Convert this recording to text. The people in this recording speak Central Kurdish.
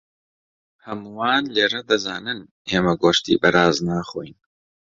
هەمووان لێرە دەزانن ئێمە گۆشتی بەراز ناخۆین.